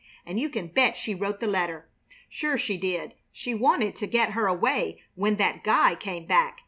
And you can bet she wrote the letter! Sure she did! She wanted to get her away when that guy came back.